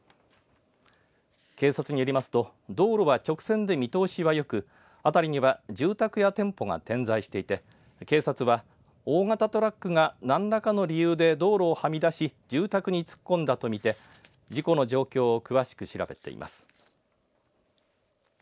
警察によりますと道路は直線で見通しはよく辺りには住宅や店舗が点在していて警察は大型トラックが何らかの理由で道路をはみ出し住宅に突っ込んだと見て事故の状況を詳しく調べています。